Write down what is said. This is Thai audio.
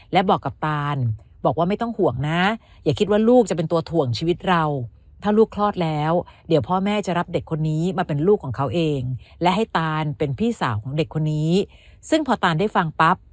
และให้ตานเป็นพี่สาวของเด็กคนนี้ซึ่งพอตานได้ฟังปั๊บ